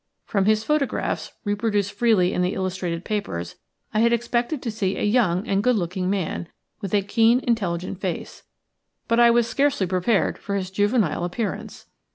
From his photographs, reproduced freely in the illustrated papers, I had expected to see a young and good looking man, with a keen, intelligent face; but I was scarcely prepared for his juvenile appearance.